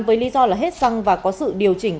với lý do là hết xăng và có sự điều chỉnh